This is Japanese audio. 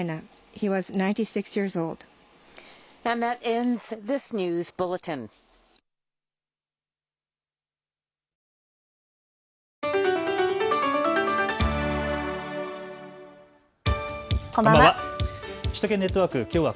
こんばんは。